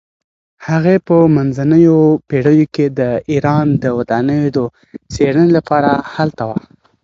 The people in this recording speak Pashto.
هغې په منځنیو پیړیو کې د ایران د ودانیو د څیړنې لپاره هلته وه.